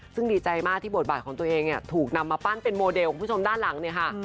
ซึ่งดีใจมากที่บทบาทของตัวเองเนี่ยถูกนำมาปั้นเป็นโมเดลคุณผู้ชมด้านหลังเนี่ยค่ะ